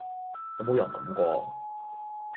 有冇人諗過